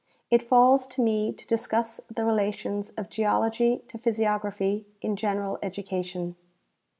It falls to me to discuss the relations of geology to physiography in general education.